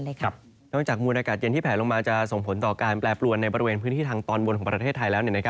นอกจากมวลอากาศเย็นที่แผลลงมาจะส่งผลต่อการแปรปรวนในบริเวณพื้นที่ทางตอนบนของประเทศไทยแล้ว